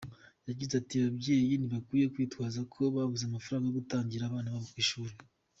Yagize ati “Ababyeyi ntibakwiye kwitwaza ko babuze amafaranga yo gutangirira abana babo ku ishuli.